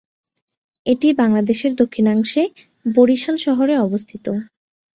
এটি বাংলাদেশের দক্ষিণাংশে বরিশাল শহরে অবস্থিত।